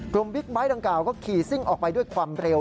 บิ๊กไบท์ดังกล่าก็ขี่ซิ่งออกไปด้วยความเร็ว